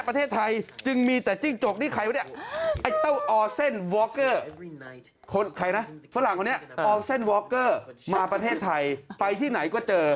ฝรั่งวันนี้ออกเส้นวอคเกอร์มาประเทศไทยไปที่ไหนก็เจอ